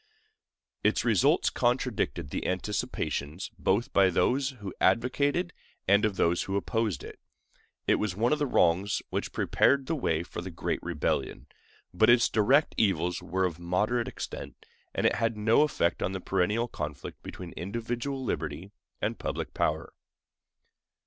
Its results contradicted the anticipations both of those who advocated and of those who opposed it. It was one of the wrongs which prepared the way for the great rebellion; but its direct evils were of moderate extent, and it had no effect on the perennial conflict between individual liberty and public power.